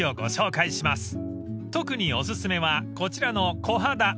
［特にお薦めはこちらのコハダ］